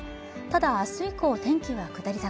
ただ明日以降天気は下り坂